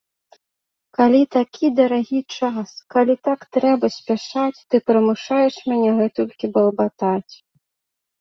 Калі такі дарагі час, калі так трэба спяшаць, ты прымушаеш мяне гэтулькі балбатаць!